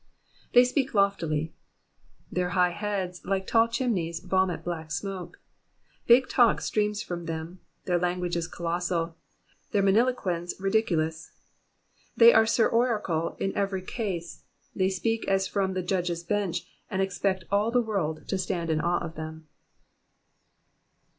''''They speak loftily.'''' Their high heads, like tall chimneys, vomit black smoke. Big talk streams from them, their language is colossal, their magniloquence ridiculous. They are Sir Oracle in every case, they speak as from the judges* bench, and exoect all the world to stand in awe of them.